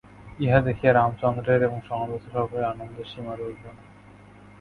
ইহা দেখিয়া রামচন্দ্রের এবং সমবেত সকলের আনন্দের সীমা রইল না।